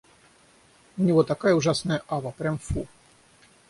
У него такая ужасная ава, прям фу!